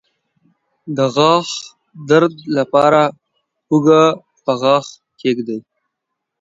د غاښ درد لپاره هوږه په غاښ کیږدئ